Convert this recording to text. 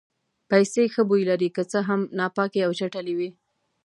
پیسې ښه بوی لري که څه هم چې ناپاکې او چټلې وي.